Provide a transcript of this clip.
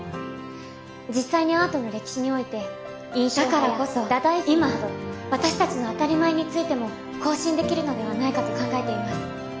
実際にアートの歴史においてだからこそ今私達の当たり前についても更新できるのではないかと考えています